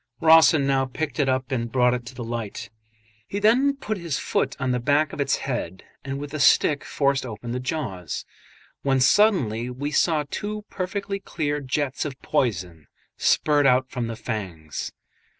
Rawson now picked it up and brought it to the light. He then put his foot on the back of its head and with a stick forced open the jaws, when suddenly we saw two perfectly clear jets of poison spurt out from the fangs.